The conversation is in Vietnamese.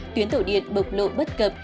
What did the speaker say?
tuyến tàu điện bộc lộ bất cập